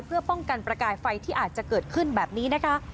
เพื่อป้องกันประกายไฟที่อาจจะเกิดขึ้นแบบนี้นะคะ